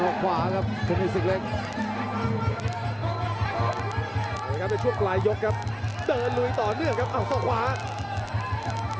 ต่อกับพยายามจะทีบซ้ายทีบซ้ายไว้